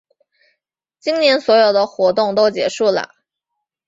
今年所有的活动都结束啦